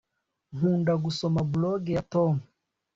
nkunda gusoma blog ya tom